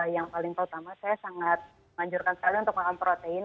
yang paling pertama saya sangat menganjurkan sekali untuk makan protein